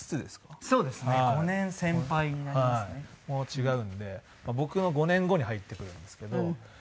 違うんで僕の５年後に入ってくるんですけど。